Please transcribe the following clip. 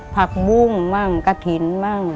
ผักบุ้งบ้างกระถิ่นมั่ง